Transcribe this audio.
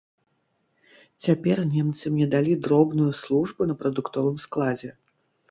Цяпер немцы мне далі дробную службу на прадуктовым складзе.